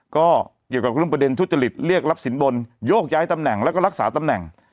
ก็เกี่ยวกับเรื่องประเด็นทุจริตเรียกรับสินบนโยกย้ายตำแหน่งแล้วก็รักษาตำแหน่ง